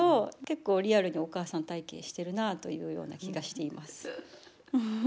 結構リアルにお母さん体験してるなというような気がしています。